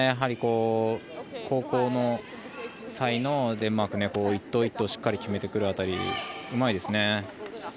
後攻の際のデンマーク１投１投しっかり決めてくる辺りうまいですね。